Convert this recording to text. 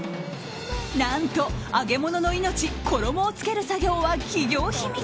何と揚げ物の命衣をつける作業は企業秘密。